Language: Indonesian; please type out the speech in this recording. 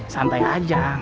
santai aja ang